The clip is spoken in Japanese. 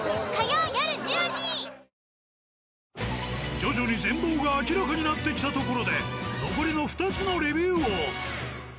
徐々に全貌が明らかになってきたところで残りの２つのレビューを。